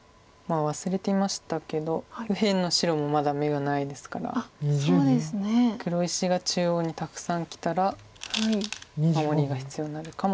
忘れていましたけど右辺の白もまだ眼がないですから黒石が中央にたくさんきたら守りが必要になるかもしれないです。